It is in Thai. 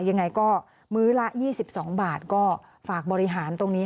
ยังไงก็มื้อละ๒๒บาทก็ฝากบริหารตรงนี้